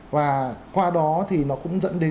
và qua đó thì nó cũng dẫn đến